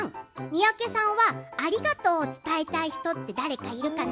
三宅さんは、「ありがとう」を伝えたい人って、誰かいるかな？